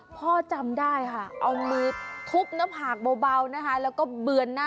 พ่อจำได้ค่ะเอามือทุบหน้าผากเบาเปื้อนหน้าหนี